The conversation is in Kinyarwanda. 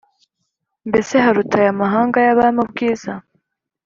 Mbese haruta aya mahanga y’abami ubwiza